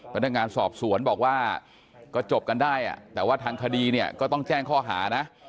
พนักงานสอบสวนบอกว่าก็จบกันได้แต่ว่าทางคดีเนี่ยก็ต้องแจ้งข้อหานะ